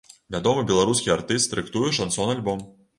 Вядомы беларускі артыст рыхтуе шансон-альбом.